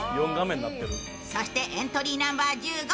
そして、エントリーナンバー１５